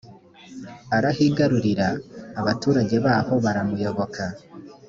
arahigarurira abaturage baho baramuyoboka